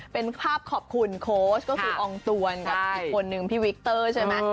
เป็นภาพขอบคุณโค้ชก็คืออองตวนกับอีกคนนึงพี่วิกเตอร์ใช่ไหม